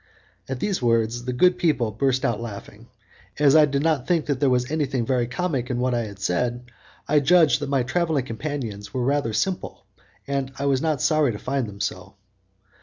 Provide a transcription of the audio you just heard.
At these words the good people burst out laughing. As I did not think that there was anything very comic in what I had said, I judged that my travelling companions were rather simple, and I was not sorry to find them so.